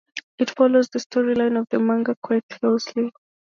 It follows the storyline of the manga quite closely.